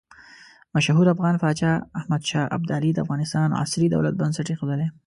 مشهور افغان پاچا احمد شاه ابدالي د افغانستان عصري دولت بنسټ ایښودلی.